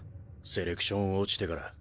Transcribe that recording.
セレクション落ちてから。